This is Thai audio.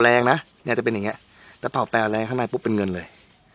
แรงนะเนี่ยจะเป็นอย่างนี้แต่เป่าแปลแรงข้างในปุ๊บเป็นเงินเลย